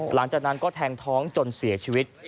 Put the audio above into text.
หลังจากนั้นก็แทงท้องจนเสียชีวิต